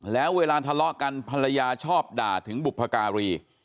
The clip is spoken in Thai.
แล้วเวลาทะเลาะกันภรรยาชอบด่าถึงบุพการี